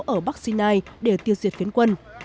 ở bắc sinai để tiêu diệt phiến quân